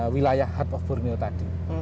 wilayah heart of formil tadi